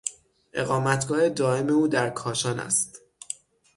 اقامتگاه دایم او در کاشان است.